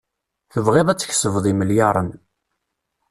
Tebɣiḍ ad tkesbeḍ imelyaṛen.